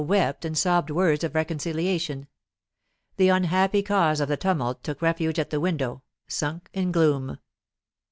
Zillah wept and sobbed words of reconciliation. The unhappy cause of the tumult took refuge at the window, sunk in gloom.